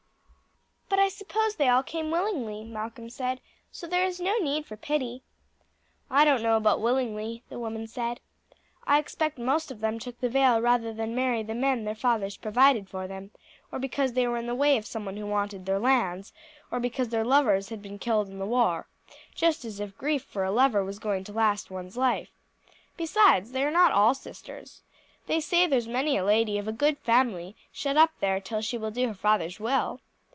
"But I suppose they all came willingly," Malcolm said; "so there is no need for pity." "I don't know about willingly," the woman said. "I expect most of them took the veil rather than marry the men their fathers provided for them, or because they were in the way of someone who wanted their lands, or because their lovers had been killed in the war, just as if grief for a lover was going to last one's life. Besides, they are not all sisters. They say there's many a lady of good family shut up there till she will do her father's will.